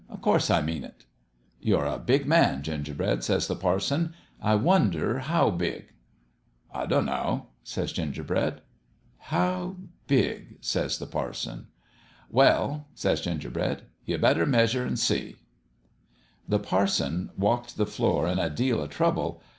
O' course, I mean it !'"' You're a big man, Gingerbread/ says the parson. ' I wonder how big/ "That MEASURE of LOl/E 207 "* I don't know,' says Gingerbread. "' How big ?' says the parson. "' Well,' says Gingerbread, ' you better meas ure an' see.' " The parson walked the floor in a deal o' trouble.